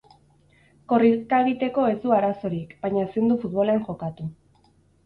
Korrika egiteko ez du arazorik, baina ezin du futbolean jokatu.